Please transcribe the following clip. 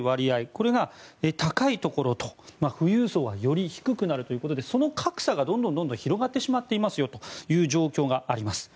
これが高いところと、富裕層はより低くなるということでその格差がどんどん広がってしまっていますよという状況があります。